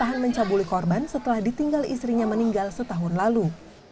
tahan mencabuli korban setelah ditinggal istrinya meninggal setahun lalu